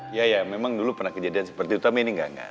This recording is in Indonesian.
iya ya memang dulu pernah kejadian seperti itu tapi ini enggak enggak